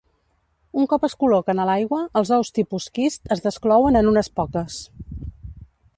Un cop es col·loquen a l'aigua, els ous tipus quist es desclouen en unes poques.